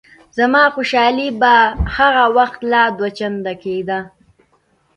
زما خوشحالي به هغه وخت لا دوه چنده کېده.